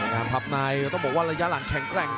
การพับนายต้องบอกว่ารายละหลังแข็งแกร่ง